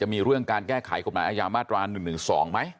มีเรื่องการแก้ไขกฎหมายอาญามาตรา๑๑๒ไหม